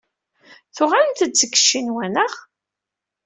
Tuɣalemt-d seg Ccinwa, naɣ?